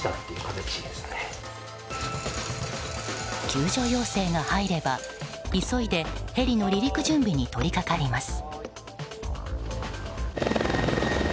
救助要請が入れば急いでヘリの離陸準備に取りかかります。